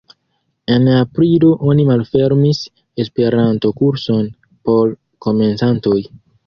En aprilo oni malfermis Esperanto-kurson por komencantoj.